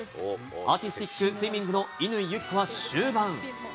アーティスティックスイミングの乾友紀子が終盤。